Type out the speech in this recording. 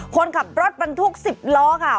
คนขับรถบรรทุก๑๐ล้อค่ะ